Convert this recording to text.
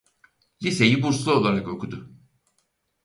Liseyi burslu olarak okudu.